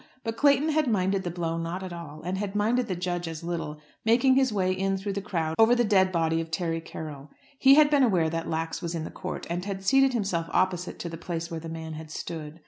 But Clayton had minded the blow not at all, and had minded the judge as little, making his way in through the crowd over the dead body of Terry Carroll. He had been aware that Lax was in the court, and had seated himself opposite to the place where the man had stood.